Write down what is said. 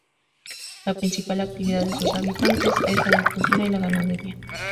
La principal actividad de sus habitantes es la agricultura y la ganadería.